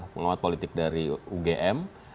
pengelamat politik dari ugm